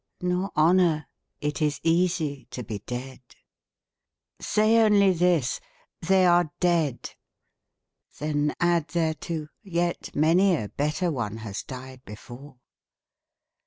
Nor honour. It is easy to be dead. Say only this, " They are dead." Then add thereto, " Yet many a better one has died before."